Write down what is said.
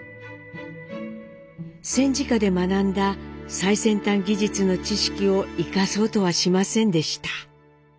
戦時下で学んだ最先端技術の知識を生かそうとはしませんでした。